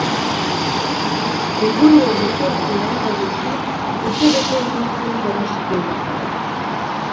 Helburu horrekin, lehendabizi, urtebete egin zuen Donostian bakarrik.